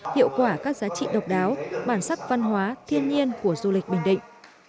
hiệu quả các giá trị độc đáo bản sắc văn hóa thiên nhiên của du lịch bình định